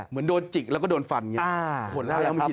เหมือนโดนจิกแล้วก็โดนฟันไง